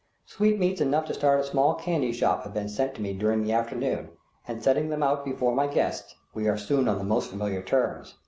Sweetmeats enough to start a small candy shop have been sent me during the afternoon, and setting them out before my guests, we are soon on the most familiar terms.